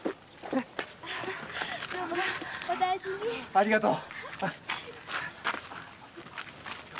ありがとう。